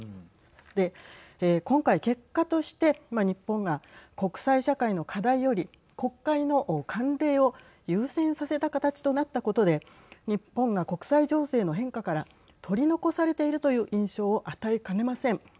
で、今回結果として日本が国際社会の課題より国会の慣例を優先させた形となったことで日本が国際情勢の変化から取り残されているという印象を与えかねません。